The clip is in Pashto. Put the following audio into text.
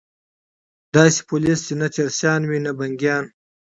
داسي پولیس چې نه چرسیان وي او نه بنګیان